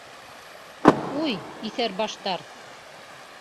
Уй, иҫәрбаштар!